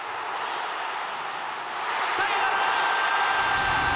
サヨナラ！